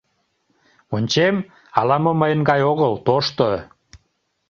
Ончем, ала-мо мыйын гай огыл, тошто.